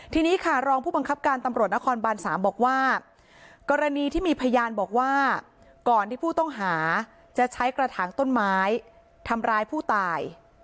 ทีนี้ค่ะรองผู้บังคับการตำรวจนครบาน๓บอกว่ากรณีที่มีพยานบอกว่าก่อนที่ผู้ต้องหาจะใช้กระถางต้นไม้ทำร้ายผู้ตาย